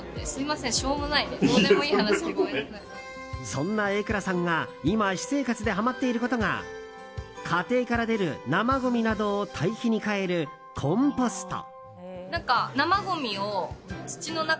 そんな榮倉さんが今私生活でハマっていることが家庭から出る生ごみなどを堆肥に変えるコンポスト。